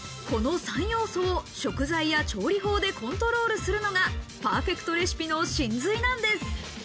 この３要素を食材や調理法でコントロールするのがパーフェクトレシピの神髄なんです。